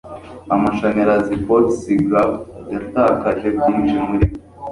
amashanyarazi pottsigraft yatakaje ibyinshi muri byo